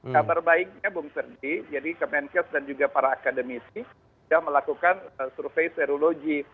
kabar baiknya bung ferdi jadi kemenkes dan juga para akademisi sudah melakukan survei serologi